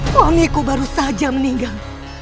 womiku baru saja meninggal